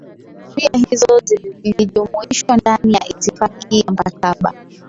sheria hizo zilijumuishwa ndani ya itifaki ya mkataba